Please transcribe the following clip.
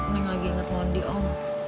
neng lagi inget mondi om